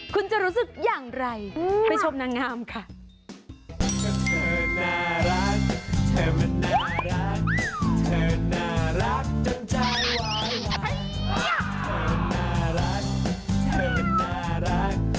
คุณจะรู้สึกอย่างไรไปชมนางงามค่ะ